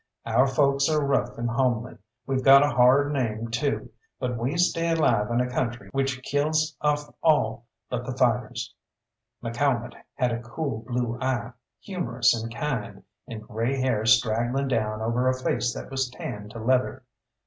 Our folks are rough and homely; we've got a hard name, too, but we stay alive in a country which kills off all but the fighters. McCalmont had a cool blue eye, humorous and kind, and grey hair straggling down over a face that was tanned to leather.